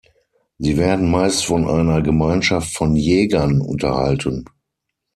Sie werden meist von einer Gemeinschaft von Jägern unterhalten.